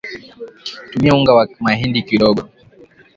tumia unga wa mahindi kidogo